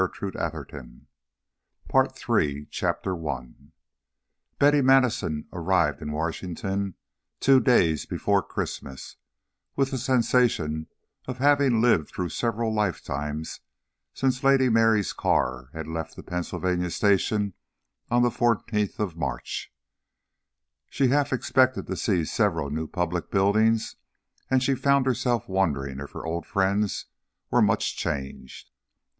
Part III The Political Sea Turns Red I Betty Madison arrived in Washington two days before Christmas, with the sensation of having lived through several life times since Lady Mary's car had left the Pennsylvania station on the fourteenth of March; she half expected to see several new public buildings, and she found herself wondering if her old friends were much changed.